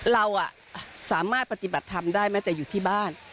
เราสามารถปฏิบัติธรรมได้แม้แต่อยู่ที่บ้าน